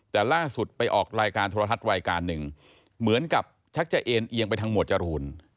แต่ล่าสุดไปออกรายการโทรทัศน์รายการหนึ่งเหมือนกับชักจะเอ็นเอียงไปทางหมวดจรูน